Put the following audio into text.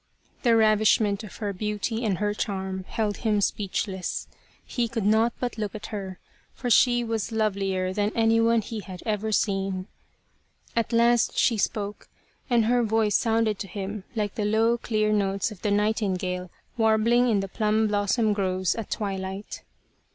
The ravishment of her beauty and her charm held him speechless. He could not but look at her, for she was lovelier than anyone he had ever seen. At last she spoke, and her voice sounded to him like the low, clear notes of the nightingale warbling in the plum blossom groves at twilight.